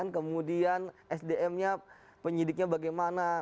kemudian sdm nya penyidiknya bagaimana